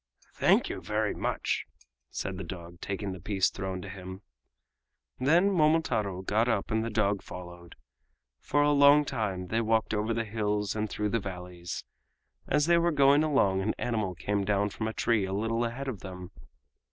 "Thank you very much," said the dog, taking the piece thrown to him. Then Momotaro got up and the dog followed. For a long time they walked over the hills and through the valleys. As they were going along an animal came down from a tree a little ahead of them.